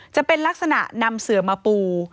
จะเป็นลักษณะนำเสือมาปู